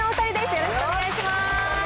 よろしくお願いします。